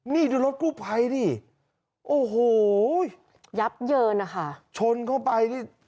นี่ดูรถกู้ภัยดิโอ้โหยับเยินนะคะชนเข้าไปนี่